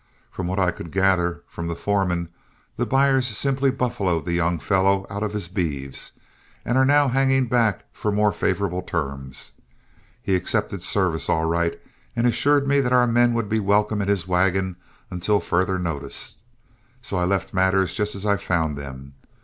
From what I could gather from the foreman, the buyers simply buffaloed the young fellow out of his beeves, and are now hanging back for more favorable terms. He accepted service all right and assured me that our men would be welcome at his wagon until further notice, so I left matters just as I found them.